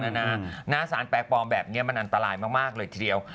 หน้าสารแปลกปลอมแบบนี้มันอันตรายมากเลยทีเดียว